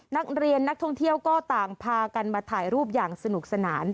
นักท่องเที่ยวก็ต่างพากันมาถ่ายรูปอย่างสนุกสนาน